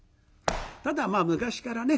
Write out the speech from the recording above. ただまあ昔からね